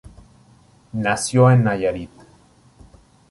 Nació en Nayarit.